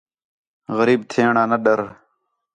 غریب تھیݨ آ نہ ݙَر